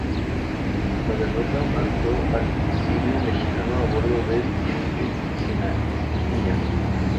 Tras la derrota, marchó al exilio mexicano a bordo del buque "Sinaia".